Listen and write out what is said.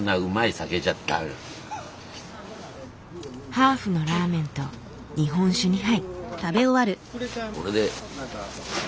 ハーフのラーメンと日本酒２杯。